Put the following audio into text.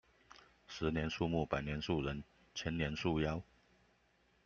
十年樹木，百年樹人，千年樹妖